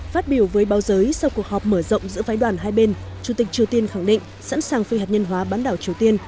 phát biểu với báo giới sau cuộc họp mở rộng giữa phái đoàn hai bên chủ tịch triều tiên khẳng định sẵn sàng phi hạt nhân hóa bán đảo triều tiên